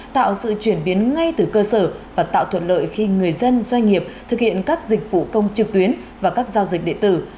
tạo sự chuyển biến ngay từ cơ sở và tạo thuận lợi khi người dân doanh nghiệp thực hiện các dịch vụ công trực tuyến và các giao dịch điện tử